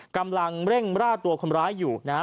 กำลังเร่งร่าตัวคนร้ายอยู่นะฮะ